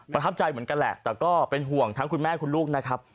ประทับใจเหมือนกันแหละแต่ก็เป็นห่วงทั้งคุณแม่คุณลูกนะครับ